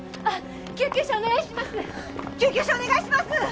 お願いします。